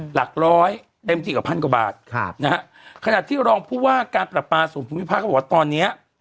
หลักร้อยได้เมติกว่าพันกว่าบาทขนาดที่รองผู้ว่าการปรับปลาสูงภูมิภาคเขาบอกว่าตอนนี้